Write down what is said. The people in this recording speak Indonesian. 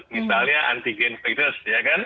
misalnya anti gain virus